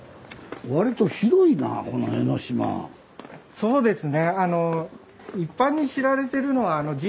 そうですね。